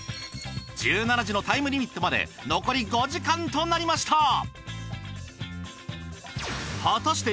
１７時のタイムリミットまで残り５時間となりました。